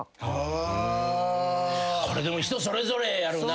これでも人それぞれやろうな。